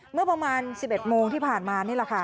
เมื่อประมาณ๑๑โมงที่ผ่านมานี่แหละค่ะ